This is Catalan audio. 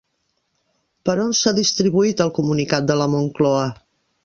Per on s'ha distribuït el comunicat de la Moncloa?